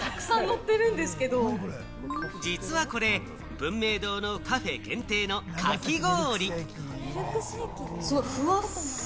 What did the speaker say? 実はこれ、文明堂のカフェ限定のかき氷。